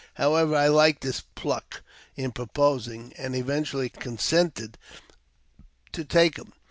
However, I liked his "pluck" in proposing, and eventually consented to take him.